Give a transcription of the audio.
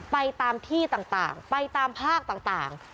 ไปตามที่ต่างไปตามภาคต่าง